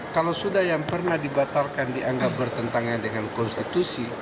kalau sudah yang pernah dibatalkan dianggap bertentangan dengan konstitusi